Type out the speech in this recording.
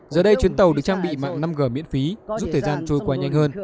giờ đây chuyến tàu được trang bị mạng năm g miễn phí giúp thời gian trôi qua nhanh hơn